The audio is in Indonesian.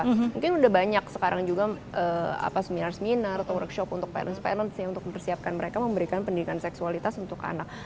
mungkin udah banyak sekarang juga seminar seminar atau workshop untuk parence parence yang untuk mempersiapkan mereka memberikan pendidikan seksualitas untuk anak